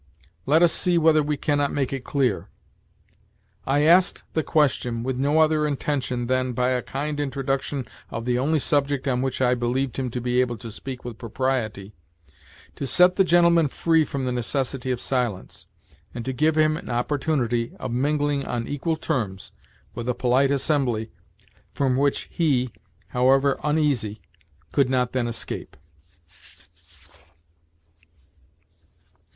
Let us see whether we can not make it clear. 'I asked the question with no other intention than, by a kind introduction of the only subject on which I believed him to be able to speak with propriety, to set the gentleman free from the necessity of silence, and to give him an opportunity of mingling on equal terms with a polite assembly from which he, however uneasy, could not then escape.'"